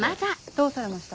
どうされました？